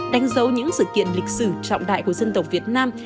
đánh dấu những sự kiện lịch sử trọng đại của dân tộc việt nam